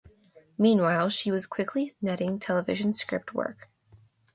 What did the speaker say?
Meanwhile she was quickly netting television script work.